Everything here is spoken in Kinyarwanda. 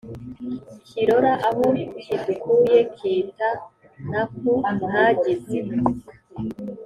Kirora aho kidukuye kita ntako ntagize